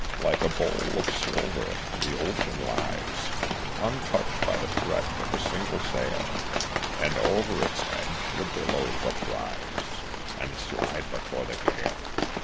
Like a bowl of silver the ocean lies, Untouched by the fret of a single sail, And over its edge the billows uprise And slide before the gale.